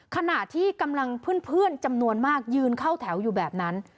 ขณะที่กำลังเพื่อนจำนวนมากยืนเข้าแถวอยู่แบบนั้น